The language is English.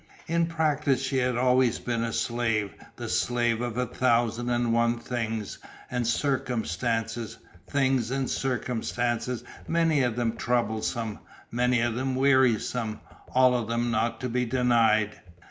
In practice she had always been a slave. The slave of a thousand and one things and circumstances, things and circumstances many of them troublesome, many of them wearisome, all of them not to be denied.